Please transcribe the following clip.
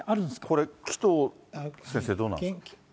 これ、紀藤先生どうなんですか。